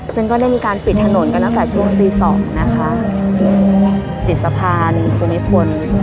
ซึ่งก็ได้มีการปิดถนนกันตั้งแต่ช่วงตีสองนะคะปิดสะพานภูมิพล